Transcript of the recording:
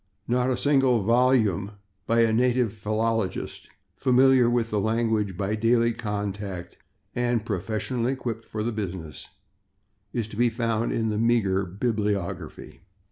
Not a single volume by a native philologist, familiar with the language by daily contact and professionally equipped for the business, is to be found in the meagre bibliography.